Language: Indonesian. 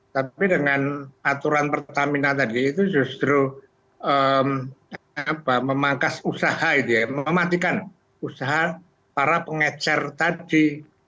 tapi dengan aturan pertamina tadi itu justru memangkas usaha itu ya mematikan usaha para pengecer tadi